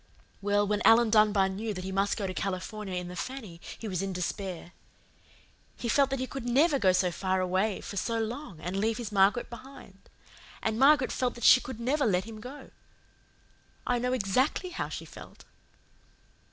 "Well, when Alan Dunbar knew that he must go to California in the Fanny he was in despair. He felt that he could NEVER go so far away for so long and leave his Margaret behind. And Margaret felt that she could never let him go. I know EXACTLY how she felt."